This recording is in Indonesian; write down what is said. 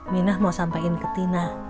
minah mau sampaikan ke tina